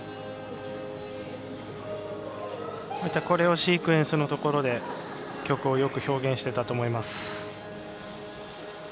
コレオシークエンスのところで曲をよく表現していたと思います。